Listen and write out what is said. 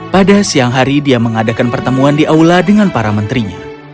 pada siang hari dia mengadakan pertemuan di aula dengan para menterinya